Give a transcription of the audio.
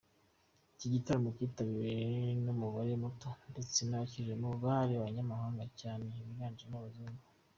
Iki gitaramo cyitabiriwe n’umubare muto ndetse n’abakijemo bari abanyamahanga cyane biganjemo abazungu.